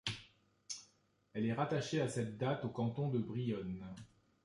Elle est rattachéç à cette date au canton de Brionne.